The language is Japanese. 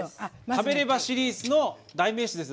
「食べればシリーズ」の代名詞です。